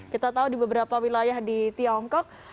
kita tahu di beberapa wilayah di tiongkok